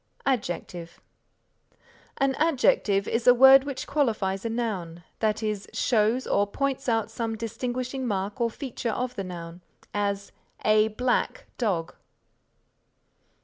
ADJECTIVE An adjective is a word which qualifies a noun, that is, shows or points out some distinguishing mark or feature of the noun; as, A black dog.